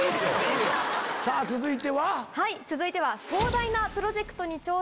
続いては？